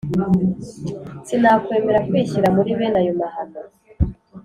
sinakwemera kwishyira muri bene ayo mahano.